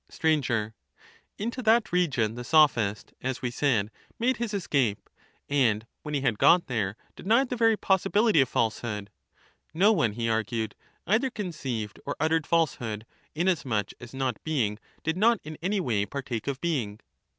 images, ^^ Yxito that region the Sophist, as we said, made his the possi escape, and, when he had got there, denied the very possi bility of bility of falsehood ; no one, he argued, either conceived or ( RiTnow uttered falsehood, inasmuch as not being did not in any way | that not partake of being.